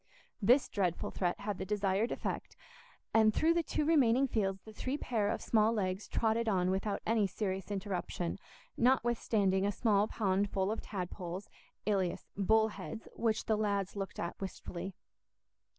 This dreadful threat had the desired effect, and through the two remaining fields the three pair of small legs trotted on without any serious interruption, notwithstanding a small pond full of tadpoles, alias "bullheads," which the lads looked at wistfully.